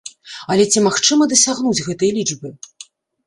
Але ці магчыма дасягнуць гэтай лічбы?